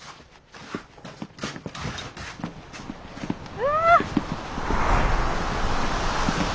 うわ！